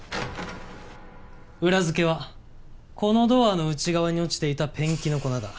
裏付けはこのドアの内側に落ちていたペンキの粉だ。